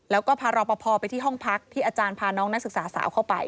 แล้วก็พารอปภไปที่ห้องพักที่อาจารย์พาน้องนักศึกษาสาวเข้าไป